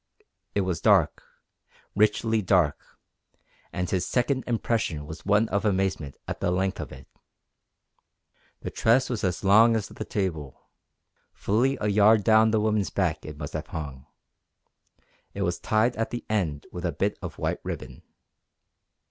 It was dark, richly dark, and his second impression was one of amazement at the length of it. The tress was as long as the table fully a yard down the woman's back it must have hung. It was tied at the end with a bit of white ribbon.